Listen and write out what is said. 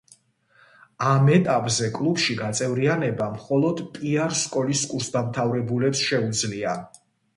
ამ ეტაპზე კლუბში გაწევრიანება მხოლოდ პიარ სკოლის კურსდამთავრებულს შეუძლია.